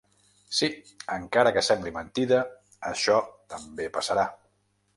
Sí, encara que sembli mentida això també passarà.